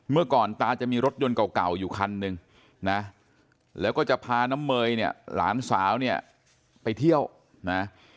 เมื่อก่อนตาจะมีรถยนต์เก่าอยู่คันหนึ่งนะแล้วก็จะพาน้ำเมยเนี่ยหลานสาวเนี่ยไปเที่ยวนะ